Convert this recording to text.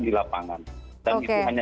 di lapangan dan itu hanya